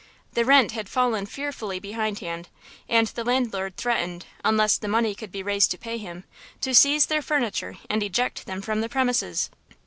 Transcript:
The rent had fallen fearfully behindhand, and the landlord threatened, unless the money could be raised to pay him, to seize their furniture and eject them from the premises.